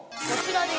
こちら。